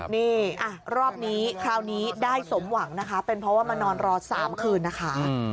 นี่รอบนี้คราวนี้ได้สมหวังนะคะเป็นเพราะว่ามานอนรอ๓คืนนะคะ